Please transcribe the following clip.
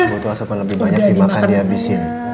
butuh asapan lebih banyak dimakan di abisin